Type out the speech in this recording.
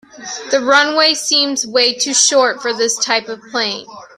The runway seems way to short for this type of plane.